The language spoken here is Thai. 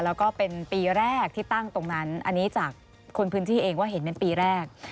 แล้วก็เป็นปีแรกที่ตั้งตรงนั้นอันนี้จากคนพื้นที่เองว่าเห็นเป็นปีแรก